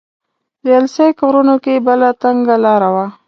د السیق غرونو کې بله تنګه لاره وه.